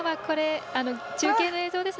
中継の映像です。